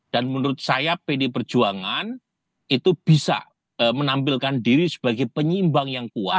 dan menurut saya pd perjuangan itu bisa menampilkan diri sebagai penyimbang yang kuat